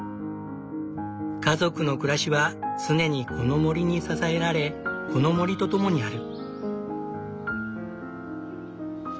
家族の暮らしは常にこの森に支えられこの森とともにある。